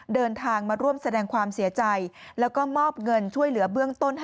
เดินทางมาร่วมแสดงความเสียใจแล้วก็มอบเงินช่วยเหลือเบื้องต้น